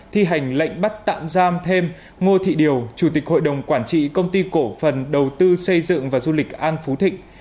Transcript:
thi hành lệnh bắt tạm giam thêm ngô thị điều chủ tịch hội đồng quản trị công ty cổ phần đầu tư xây dựng và du lịch an phú thịnh